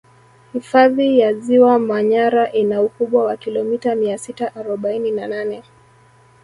hfadhi ya ziwa manyara ina ukubwa wa kilomita mia sita arobaini na nane